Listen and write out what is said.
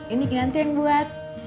ini gnanti yang buat